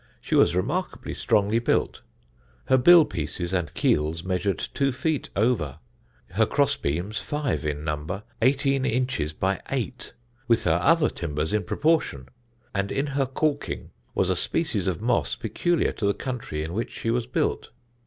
She was remarkably strongly built; her bill pieces and keels measuring 2 feet over, her cross beams, five in number, 18 inches by 8, with her other timbers in proportion; and in her caulking was a species of moss peculiar to the country in which she was built.